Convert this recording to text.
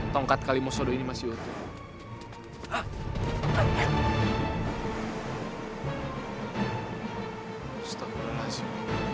tongkat kalimau sodor ini masih waktunya